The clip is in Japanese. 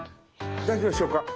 大丈夫でしょうか。